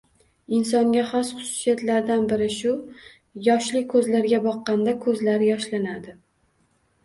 Insonga xos xususiyatlardan biri shu: yoshli ko'zlarga boqqanda ko'zlari yoshlanadi.